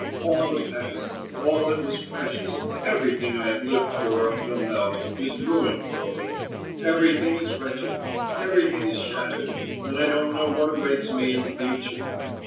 All the past, all that was precious, everything I have lived for up till now, is ruined for me; everything is wretched, everything is shattered, and I don't know what awaits me in the future.